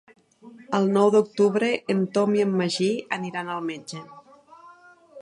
El nou d'octubre en Tom i en Magí aniran al metge.